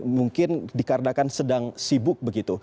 mungkin dikarenakan sedang sibuk begitu